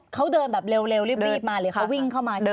เขาเดินแบบเร็วรีบมาหรือเขาวิ่งเข้ามาใช่ไหม